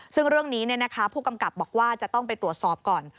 ซึ่งเรื่องนี้ผู้กำกับบอกว่าจะต้องไปตรวจสอบก่อน